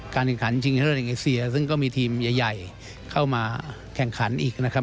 แข่งขันชิงเลิศแห่งเอเซียซึ่งก็มีทีมใหญ่เข้ามาแข่งขันอีกนะครับ